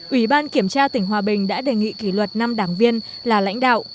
ủy ban kiểm tra tỉnh hòa bình đã đề nghị kỷ luật năm đảng viên là lãnh đạo